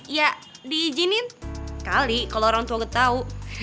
ya diizinin kali kalo orang tua tau